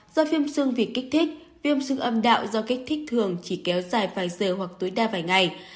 do phim sương bị kích thích phim sương âm đạo do kích thích thường chỉ kéo dài vài giờ hoặc tối đa vài ngày